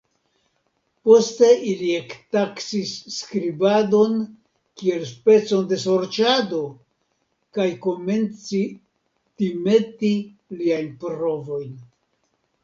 Poste, ili ektaksis skribadon kiel specon de sorĉado kaj komenci timeti liajn provojn.